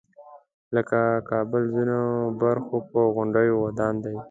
لکه د کابل ځینو برخو پر غونډیو ودان دی.